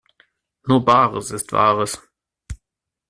Nur Bares ist Wahres.